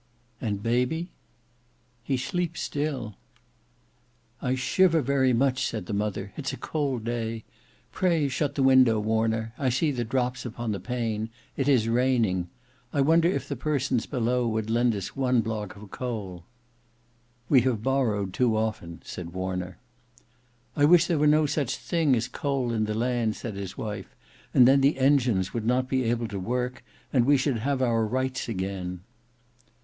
"And baby?" "He sleeps still." "I shiver very much!" said the mother. "It's a cold day. Pray shut the window Warner. I see the drops upon the pane; it is raining. I wonder if the persons below would lend us one block of coal." "We have borrowed too often," said Warner. "I wish there were no such thing as coal in the land," said his wife, "and then the engines would not be able to work; and we should have our rights again."